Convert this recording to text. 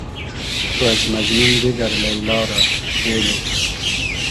تو از مئجنون بیگئر لݷلا رۂ بېلو